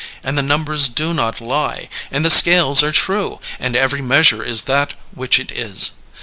And the numbers do not lie, and the scales are true, and every measure is that which it is.